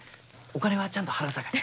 お金はちゃんと払うさかい。